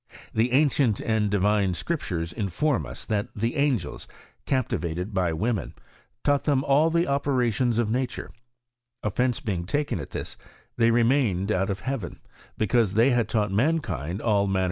The ancient and divine Scriptures inform us, that the angels, captivated by women, taught them all the operations of nature. OSence being taken at this, they remained out of heaven, because they had taught mankind all manner • Dc Ortayt Progressu Chemise, p.